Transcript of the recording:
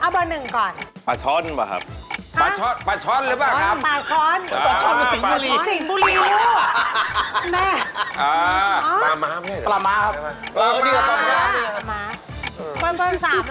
ประมาทค่ะ